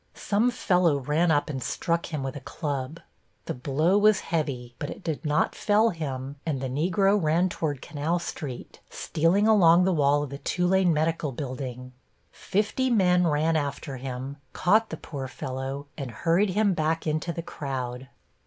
Some fellow ran up and struck him with a club. The blow was heavy, but it did not fell him, and the Negro ran toward Canal Street, stealing along the wall of the Tulane Medical Building. Fifty men ran after him, caught the poor fellow and hurried him back into the crowd.